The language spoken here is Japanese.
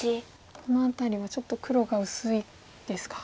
この辺りはちょっと黒が薄いですか。